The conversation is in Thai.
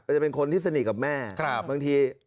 อ๋อผมอ่ะจะเป็นคนที่สนิทกับแม่ครับบางที